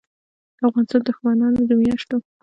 دافغانستان دښمنانودمیاشتو